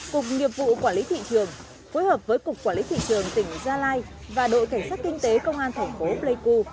cục nghiệp vụ quản lý thị trường phối hợp với cục quản lý thị trường tỉnh gia lai và đội cảnh sát kinh tế công an thành phố pleiku